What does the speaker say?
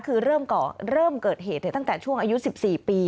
คือเริ่มเกิดเหตุตั้งแต่ช่วงอายุ๑๔ปี